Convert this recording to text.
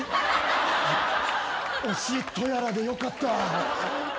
推しとやらでよかった。